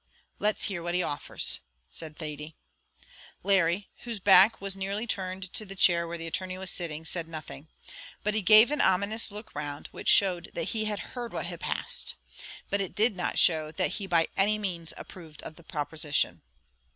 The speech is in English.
"Let's hear what he offers," said Thady. Larry, whose back was nearly turned to the chair where the attorney was sitting, said nothing; but he gave an ominous look round, which showed that he had heard what had passed. But it did not show that he by any means approved of the proposition.